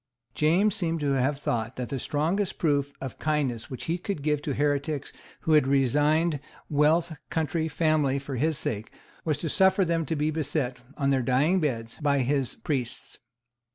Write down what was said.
James seems to have thought that the strongest proof of kindness which he could give to heretics who had resigned wealth, country, family, for his sake, was to suffer them to be beset, on their dying beds, by his priests.